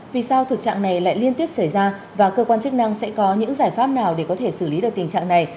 vì sao thực trạng này lại liên tiếp xảy ra và cơ quan chức năng sẽ có những giải pháp nào để có thể xử lý được tình trạng này